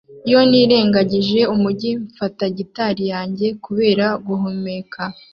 Iyo nirengagije umujyi mfata gitari yanjye kubera guhumeka